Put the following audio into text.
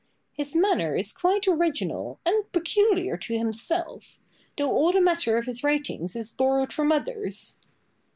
His manner is quite original, and peculiar to himself, though all the matter of his writings is borrowed from others.